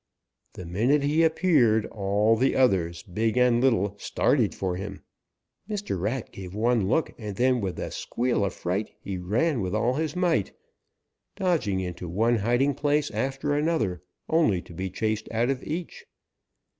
"The minute he appeared all the others, big and little, started for him. Mr. Rat gave one look, and then, with a squeal of fright, he ran with all his might, dodging into one hiding place after another, only to be chased out of each.